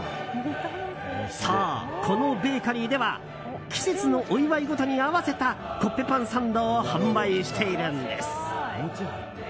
そう、このベーカリーでは季節のお祝い事に合わせたコッペパンサンドを販売しているんです。